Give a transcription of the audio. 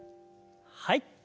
はい。